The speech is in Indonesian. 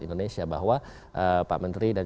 indonesia bahwa pak menteri dan